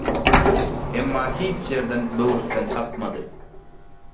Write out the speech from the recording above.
Emma hiç ýerden böwürslen tapmady.